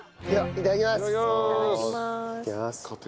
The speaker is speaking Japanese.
いただきます。